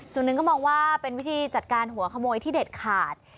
ส่วนหนึ่งก็มองว่าเป็นวิธีจัดการหัวขโมยที่เด็ดขาด